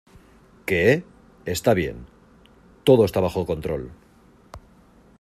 ¿ Qué? Está bien. todo está bajo control .